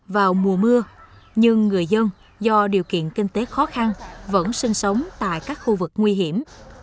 vào mùa mưa nhưng người dân do điều kiện kinh tế khó khăn vẫn sinh sống tại các khu vực nguy hiểm